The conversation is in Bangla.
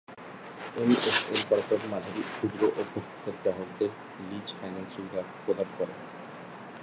এনএফএল কর্পোরেট, মাঝারি, ক্ষুদ্র ও ভোক্তাদের গ্রাহকদের লিজ ফাইন্যান্স সুবিধা প্রদান করে।